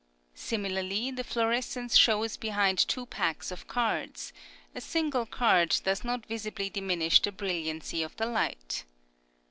Similarly the fluorescence shows behind two packs of cards ; a single card does not visibly diminish the brilliaucy of the light.